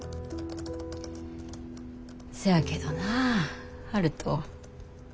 そやけどな悠人。